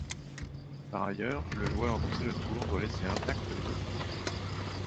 Par ailleurs, le joueur dont c'est le tour doit laisser intacts les autres tas.